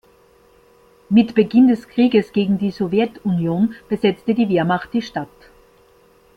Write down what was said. Mit Beginn des Kriegs gegen die Sowjetunion besetzte die Wehrmacht die Stadt.